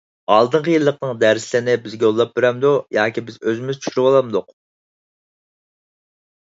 ئالدىنقى يىللىقنىڭ دەرسلىرىنى بىزگە يوللاپ بېرەمدۇ ياكى بىز ئۆزىمىز چۈشۈرۈۋالامدۇق؟